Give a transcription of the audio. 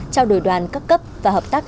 trao đổi đoàn cấp cấp và hợp tác